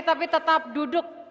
tapi tetap duduk